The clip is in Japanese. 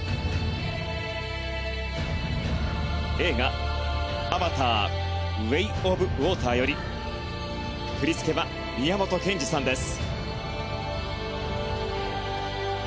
映画「アバター：ウェイ・オブ・ウォーター」より振り付けは宮本賢二さんです。